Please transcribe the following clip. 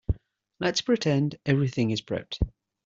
Let's pretend everything is prepped.